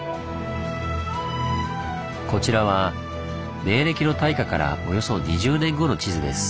こちらは明暦の大火からおよそ２０年後の地図です。